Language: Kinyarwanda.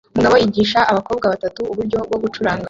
Umugabo yigisha abakobwa batatu uburyo bwo gucuranga